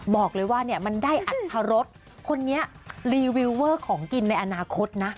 บอกเลยว่าเนี่ยมันได้อัตรรสคนนี้รีวิวเวอร์ของกินในอนาคตนะ